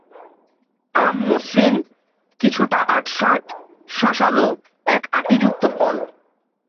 আম মসৃণ, কিছুটা আটসাঁট, শাঁসালো, এক আটিযুক্ত ফল।